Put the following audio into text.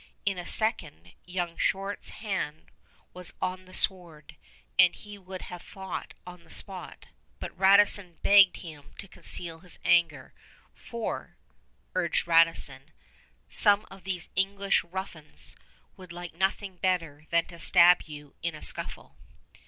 In a second, young Chouart's hand was on his sword, and he would have fought on the spot, but Radisson begged him to conceal his anger; "for," urged Radisson, "some of these English ruffians would like nothing better than to stab you in a scuffle."